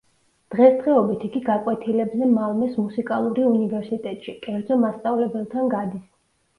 დღესდღეობით იგი გაკვეთილებზე მალმეს მუსიკალური უნივერსიტეტში, კერძო მასწავლებელთან გადის.